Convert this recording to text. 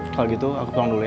kalau gitu aku pulang dulu ya